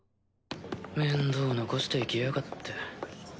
面倒残していきやがって。